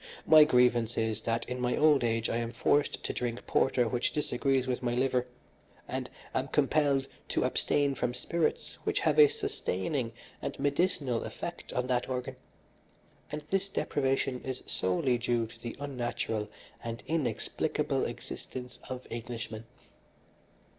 My grievance is, that in my old age I am forced to drink porter which disagrees with my liver, and am compelled to abstain from spirits which have a sustaining and medicinal effect on that organ, and this deprivation is solely due to the unnatural and inexplicable existence of Englishmen.